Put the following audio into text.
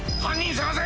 捜せ！